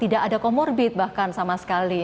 tidak ada comorbid bahkan sama sekali